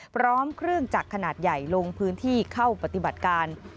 พร้อมเครื่องจักรขนาดใหญ่ลงพื้นที่เข้าปฏิบัติการ